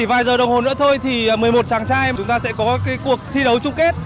và ngay sau đây tôi sẽ hỏi một cổ động viên có lẽ là rất đặc biệt